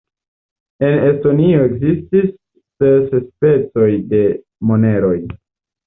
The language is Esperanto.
En Estonio ekzistis ses specoj de moneroj.